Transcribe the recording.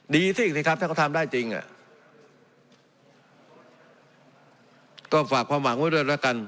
สิสิครับถ้าเขาทำได้จริงอ่ะก็ฝากความหวังไว้ด้วยแล้วกัน